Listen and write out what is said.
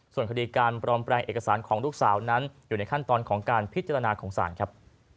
ส่วนคดีการปลอมแปลงเอกสารของลูกสาวนั้นอยู่ในขั้นตอนของการพิจารณาของศาลครับ